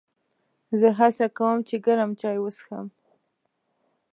زه هڅه کوم چې ګرم چای وڅښم.